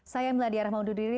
saya emeladya rahmahududiri